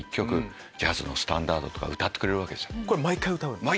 毎回歌うんですか？